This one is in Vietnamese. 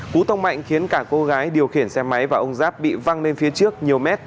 cú tông mạnh khiến cả cô gái điều khiển xe máy và ông giáp bị văng lên phía trước nhiều mét